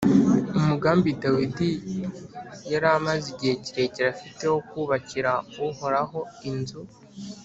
umugambi dawidi yari amaze igihe kirekire afite wo kubakira uhoraho inzu,